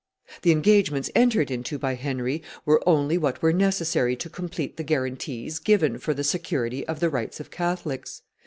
The engagements entered into by Henry were only what were necessary to complete the guarantees given for the security of the rights of Catholics.